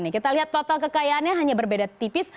kita lihat total kekayaannya hanya berbeda tipis